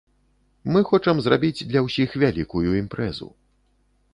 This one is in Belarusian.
Мы хочам зрабіць для ўсіх вялікую імпрэзу.